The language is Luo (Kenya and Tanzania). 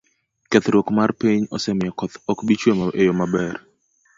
kethruok mar piny osemiyo koth ok bi chue e yo maber.